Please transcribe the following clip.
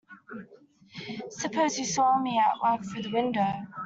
Suppose you saw me at work through the window.